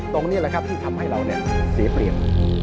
ตรงนี้แหละครับที่ทำให้เราเสียเปรียบ